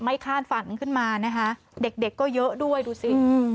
คาดฝันขึ้นมานะคะเด็กเด็กก็เยอะด้วยดูสิ